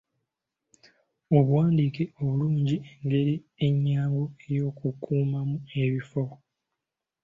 Obuwandiike obulungi ngeri ennyangu ey'okukuumamu ebifo.